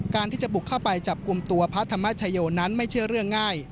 ที่จะบุกเข้าไปจับกลุ่มตัวพระธรรมชโยนั้นไม่เชื่อเรื่องง่าย